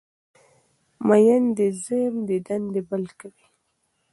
مین دی زه یم دیدن دی بل کوی